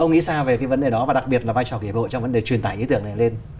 ông nghĩ sao về cái vấn đề đó và đặc biệt là vai trò kể bộ trong vấn đề truyền tải ý tưởng này lên